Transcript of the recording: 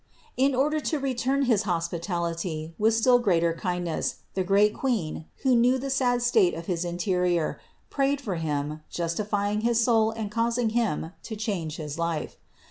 In order to return his hospitality with still greater kind ness the great Queen, who knew the sad state of his interior, prayed for him, justifying his soul and causing him to change his life.